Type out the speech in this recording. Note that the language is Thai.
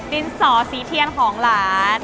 ดินสอสีเทียนของหลาน